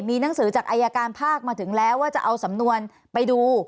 มีหนังสือจากอายการภาคมาถึงแล้วว่าจะเอาสำนวนไปดู